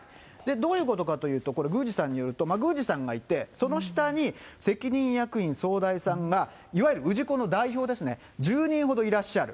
どういうことかというと、これ宮司さんによると、宮司さんがいて、その下に責任役員、総代さんがいわゆる氏子の代表ですね、１０人ほどいらっしゃる。